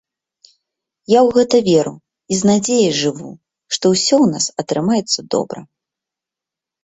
Я ў гэта веру і з надзей жыву, што ўсё ў нас атрымаецца добра.